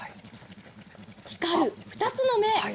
光る２つの目。